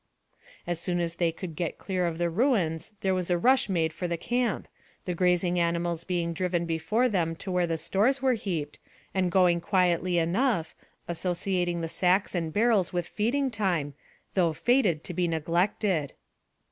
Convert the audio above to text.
As soon as they could get clear of the ruins there was a rush made for the camp, the grazing animals being driven before them to where the stores were heaped, and going quietly enough, associating the sacks and barrels with feeding time, though fated to be neglected!